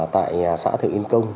tại xã thượng yên công